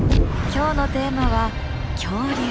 今日のテーマは「恐竜」。